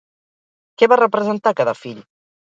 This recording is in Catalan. Què va representar cada fill?